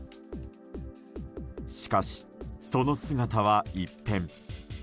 しかし、その姿は一変。